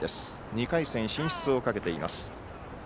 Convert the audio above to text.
２回戦進出をかけています。